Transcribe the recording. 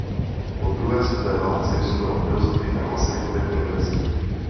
Po druhé světové válce vystudoval filozofii na Masarykově univerzitě.